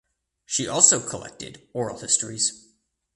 She also collected oral histories.